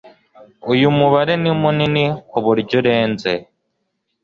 uyu mubare ni munini ku buryo urenze